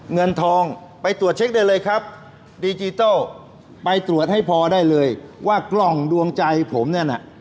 เงินทองไปตรวจเช็คได้เลยครับดิจิทัลไปตรวจให้พอได้เลยว่ากล่องดวงใจผมเนี่ยน่ะ